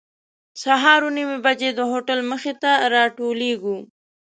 سهار اوه نیمې بجې د هوټل مخې ته راټولېږو.